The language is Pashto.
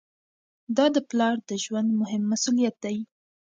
دا د پلار د ژوند مهم مسؤلیت دی.